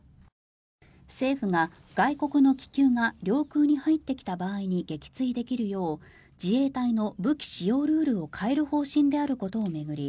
政府が、外国の気球が領空に入ってきた場合に撃墜できるよう自衛隊の武器使用ルールを変える方針であることを巡り